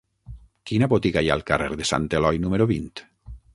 Quina botiga hi ha al carrer de Sant Eloi número vint?